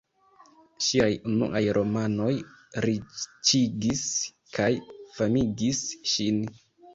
Ŝiaj unuaj romanoj riĉigis kaj famigis ŝin.